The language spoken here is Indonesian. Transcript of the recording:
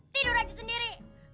tidur aja sendiri